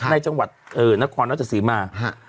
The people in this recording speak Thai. ในจังหวัดนครราชสีมา